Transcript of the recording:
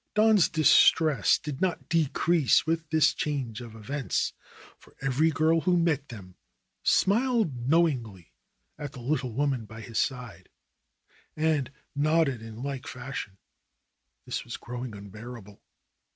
Don's distress did not decrease with this change of events. For every girl who met them smiled knowingly at the little woman by his side and nodded in like fash ion. This was growing unbearable.